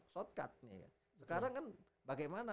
shortcut nih sekarang kan bagaimana